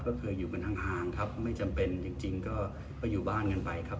ก็คืออยู่กันห่างครับไม่จำเป็นจริงก็อยู่บ้านกันไปครับ